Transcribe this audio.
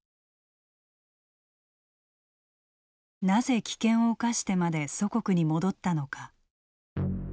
なぜ危険を冒してまで祖国に戻ったのか。